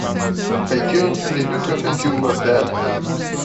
By June, the Duke of Anjou was dead.